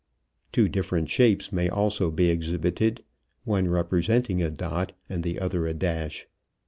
Two different shapes may also be exhibited, one representing a dot and the other a dash.